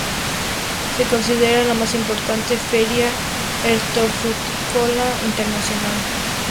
Se considera la más importante feria hortofrutícola internacional.